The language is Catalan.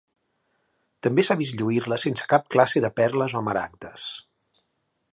També s'ha vist lluir-la sense cap classe de perles o maragdes.